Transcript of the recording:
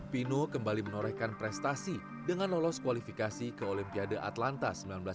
pino kembali menorehkan prestasi dengan lolos kualifikasi ke olimpiade atlanta seribu sembilan ratus sembilan puluh